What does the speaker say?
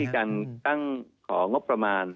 นี่คือส่วนจำเป็นจะต้องมีการตั้งของงบประมาณ